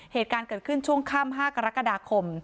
เหตุการณ์เกิดขึ้นช่วงค่ำ๕กรกฎาคม